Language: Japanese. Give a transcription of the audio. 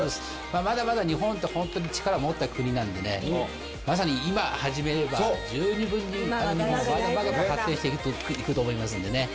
まだまだ日本ってホントに力持ってる国なんでまさに今始めれば十二分にまだまだ発展していくと思いますんでね。